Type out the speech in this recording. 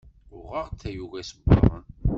Uɣeɣ-d tayuga isebbaḍen.